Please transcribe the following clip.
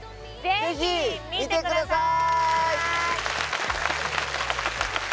ぜひ見てください